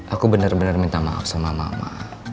aku bener bener minta maaf sama mama ma